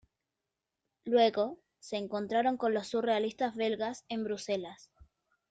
Luego, se encontraron con los surrealistas belgas en Bruselas.